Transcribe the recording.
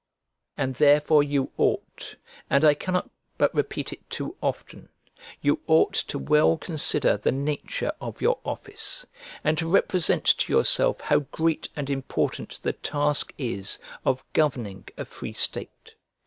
And therefore you ought (and I cannot but repeat it too often), you ought to well consider the nature of your office, and to represent to yourself how great and important the task is of governing a free state.